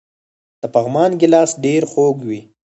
د پغمان ګیلاس ډیر خوږ وي.